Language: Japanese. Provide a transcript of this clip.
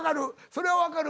それは分かる。